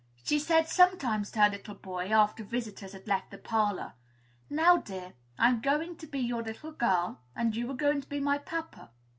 She said sometimes to her little boy, after visitors had left the parlor, "Now, dear, I am going to be your little girl, and you are to be my papa.